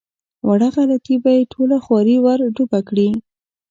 وړه غلطي به یې ټوله خواري ور ډوبه کړي.